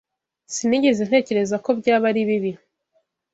Sinigeze ntekereza ko byaba ari bibi.